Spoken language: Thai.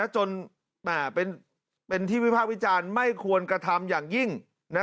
จนเป็นที่วิทยาลัยศาสตร์ไม่ควรกระทำอย่างยิ่ง